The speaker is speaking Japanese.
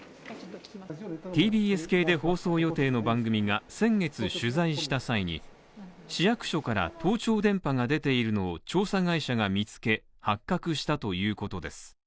ＴＢＳ系で放送予定の番組が先月取材した際に市役所から盗聴電波が出ているのを調査会社が見つけ、発覚したということです。